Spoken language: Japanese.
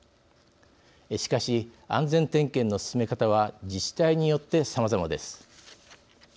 しかし、安全点検の進め方は自治体によって、さまざまです。